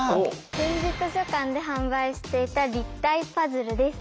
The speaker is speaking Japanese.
点字図書館で販売していた立体パズルです。